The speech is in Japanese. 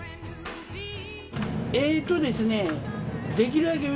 えとですね。